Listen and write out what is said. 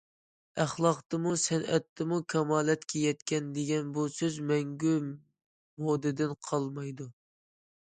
« ئەخلاقتىمۇ، سەنئەتتىمۇ كامالەتكە يەتكەن» دېگەن بۇ سۆز مەڭگۈ مودىدىن قالمايدۇ.